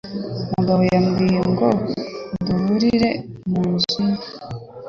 Mugabo yambwiye ngo duhurire mu nzu ye.